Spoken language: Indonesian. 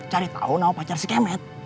cari tahu nama pacar si kemet